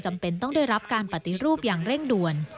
จำเป็นต้องได้รับการปฏิรูปอย่างเร่งด่วน